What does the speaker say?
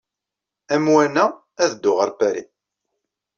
Amwan-a, ad dduɣ ɣer Paris.